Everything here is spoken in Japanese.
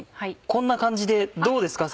こんな感じでどうですか？